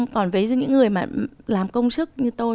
còn với những người mà làm công sức như tôi